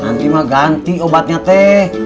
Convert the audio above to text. nanti mah ganti obatnya teh